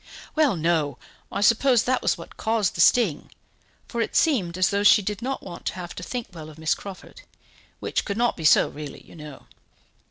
"Well, no; I suppose that was what caused the sting; for it seemed as though she did not want to have to think well of Miss Crawford, which could not be so really, you know.